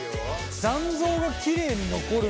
残像がきれいに残る。